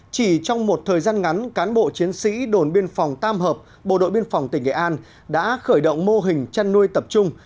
chỉ trong một thời gian ngắn cán bộ chiến sĩ đồn biên phòng tam hợp bộ đội biên phòng tỉnh nghệ an đã khởi động mô hình chăn nuôi tập trung